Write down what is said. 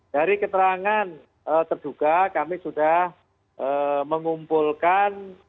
dari keterangan terduga kami sudah mengumpulkan